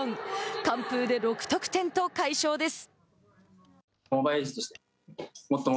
完封で６得点と快勝です。